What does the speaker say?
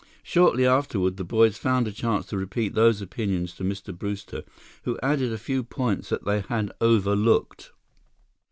Shortly afterward, the boys found a chance to repeat those opinions to Mr. Brewster, who added a few points that they had overlooked.